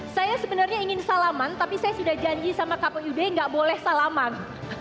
saya sebenarnya ingin salaman tapi saya sudah janji sama kpud nggak boleh salaman